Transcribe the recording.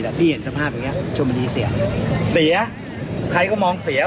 แต่พี่เห็นสภาพอย่างเงี้ชมบุรีเสียงเสียใครก็มองเสีย